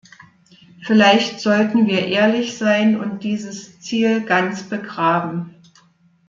Vielleicht sollten wir ehrlich sein und dieses Ziel ganz begraben.